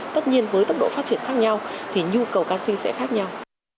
tất nhiên với tốc độ phát triển khác nhau thì nhu cầu canxi sẽ khác nhau